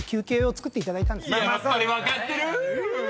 やっぱり分かってる！